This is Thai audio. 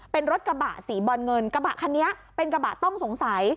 เป็นรถกระบะสีบอลเงินกระบะคันนี้เป็นกระบะต้องสงสัย